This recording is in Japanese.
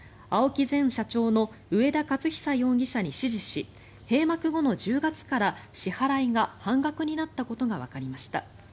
前社長の上田雄久容疑者に指示し閉幕後の１０月から支払いが半額になったことがわかりました。